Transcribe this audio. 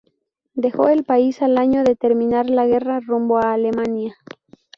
Dejó el país al año de terminar la guerra rumbo a Alemania.